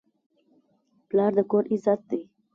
پلار د کور عزت دی.